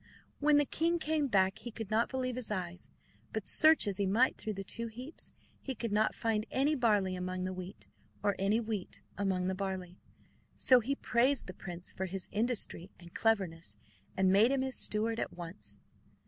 When the king came back he could not believe his eyes; but search as he might through the two heaps, he could not find any barley among the wheat, or any wheat amongst the barley. So he praised the prince for his industry and cleverness, and made him his steward at once.